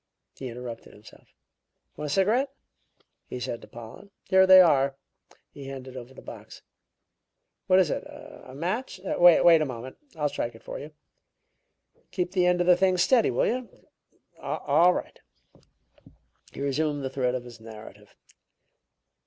He interrupted himself. "Want a cigarette?" he said to Pollen. "Here they are." He handed over the box. "What is it? A match? Wait a moment; I'll strike it for you. Keep the end of the thing steady, will you? All right." He resumed the thread of his narrative.